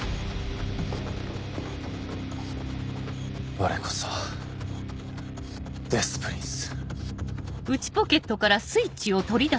われこそはデス・プリンス。